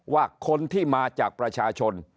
ว่าคนที่มาจากประชาชน